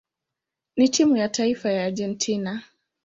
na timu ya taifa ya Argentina.